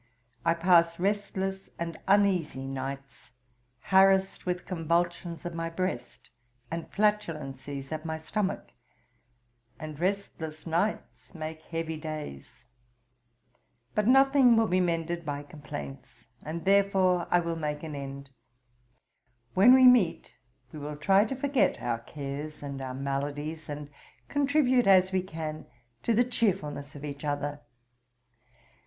I pass restless and uneasy nights, harassed with convulsions of my breast, and flatulencies at my stomach; and restless nights make heavy days. But nothing will be mended by complaints, and therefore I will make an end. When we meet, we will try to forget our cares and our maladies, and contribute, as we can, to the chearfulness of each other.